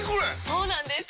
そうなんです！